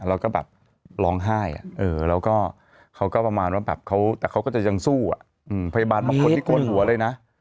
เราก็แบบร้องไห้อ่ะเออแล้วก็เขาก็ประมาณว่าแบบเขาแต่เขาก็จะยังสู้อ่ะอืมพยาบาลมากคนที่โกนหัวเลยนะ